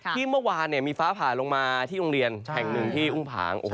เมื่อวานมีฟ้าผ่าลงมาที่โรงเรียนแห่งหนึ่งที่อุ้งผาง